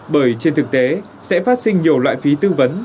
bởi trên thực tế sẽ phát sinh nhiều loại phí tư vấn